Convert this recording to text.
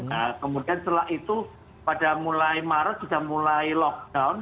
nah kemudian setelah itu pada mulai maret sudah mulai lockdown